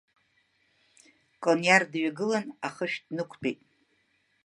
Кониар дҩагылан, ахышә днықәтәеит.